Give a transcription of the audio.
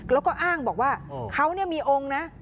แล้วก็อ้างบอกว่าเขามีองค์นะ